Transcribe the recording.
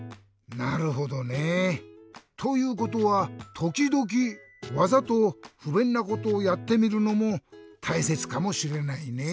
なるほどね。ということはときどきわざとふべんなことをやってみるのもたいせつかもしれないね。